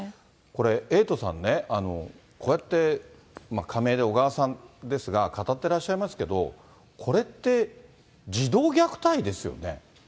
これ、エイトさんね、こうやって仮名で小川さんですが、語ってらっしゃいますけれども、これって、児童虐待ですよね。